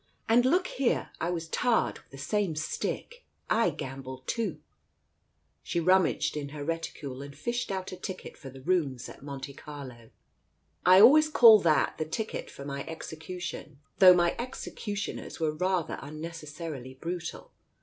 And look here, I was tarred with the same stick, I gambled too " She rummaged in her reticule and fished out a ticket for the rooms at Monte Carlo. "I always call that the ticket for my execution. Though my executioners were rather unnecessarily brutal.